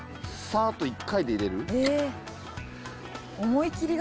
サーッと１回で入れる。